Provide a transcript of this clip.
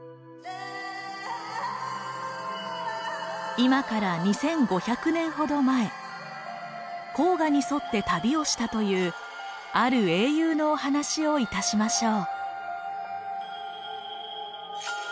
今から２，５００年ほど前黄河に沿って旅をしたというある英雄のお話をいたしましょう。